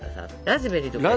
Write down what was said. ラズベリーとか。